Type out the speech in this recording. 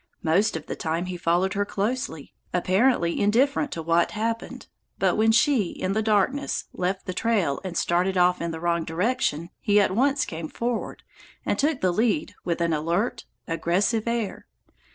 Most of the time he followed her closely, apparently indifferent to what happened, but when she, in the darkness, left the trail and started off in the wrong direction, he at once came forward, and took the lead with an alert, aggressive air.